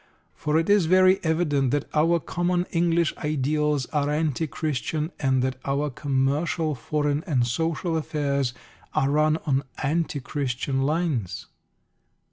For it is very evident that our common English ideals are anti Christian, and that our commercial, foreign and social affairs are run on anti Christian lines.